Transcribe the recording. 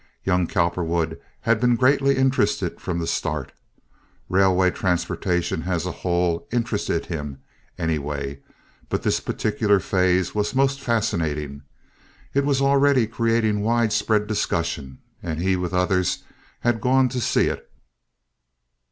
Young Cowperwood had been greatly interested from the start. Railway transportation, as a whole, interested him, anyway, but this particular phase was most fascinating. It was already creating widespread discussion, and he, with others, had gone to see it.